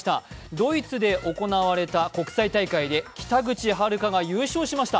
ドイツで行われた国際大会で北口榛花が優勝しました。